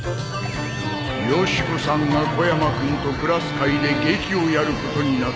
よし子さんが小山君とクラス会で劇をやることになった